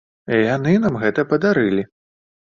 Яны нам гэты падарылі.